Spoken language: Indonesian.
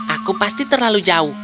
aku pasti terlalu jauh